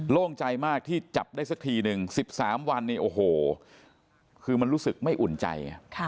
โล่งใจมากที่จับได้สักทีหนึ่ง๑๓วันนี้โอ้โหคือมันรู้สึกไม่อุ่นใจ